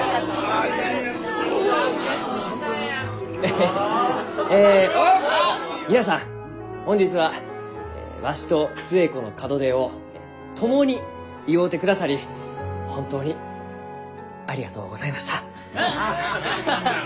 エヘッえ皆さん本日はわしと寿恵子の門出を共に祝うてくださり本当にありがとうございました。